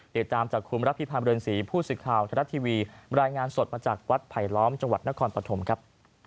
ติดตามจากคุณรับที่พาบริเวณศรีผู้สิทธิ์ข่าวธรรมดรัฐทีวีรายงานสดมาจากวัดไผลล้อมจังหวัดนครปฐมครับ